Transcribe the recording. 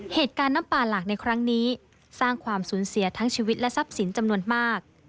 เหตุการณ์น้ำป่าหลากในครั้งนี้สร้างความสูญเสียทั้งชีวิตและทรัพย์สินจำนวนมาก